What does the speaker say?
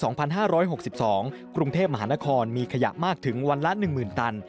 มหานครคุณเทพฯมีขยะมากถึง๑ล้านละ๑๐๐๐๐ตัน